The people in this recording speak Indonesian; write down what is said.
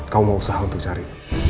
kamu mau usaha untuk cari